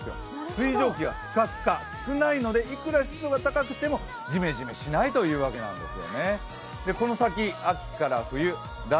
水蒸気がスカスカ、少ないのでいくら湿度が高くてもジメジメしないというわけなんです。